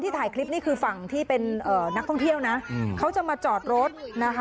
ถ้าพี่ไปจอโลกเกินผมก็ไม่มีติดถาม